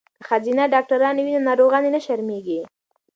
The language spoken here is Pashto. که ښځینه ډاکټرانې وي نو ناروغانې نه شرمیږي.